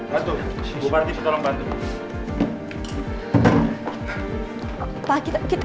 bantu bu barti tolong bantu